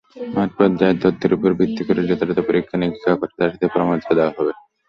মাঠপর্যায়ের তথ্যের ওপর ভিত্তি করে যথাযথ পরীক্ষা-নিরীক্ষা করে চাষিদের পরামর্শ দেওয়া হবে।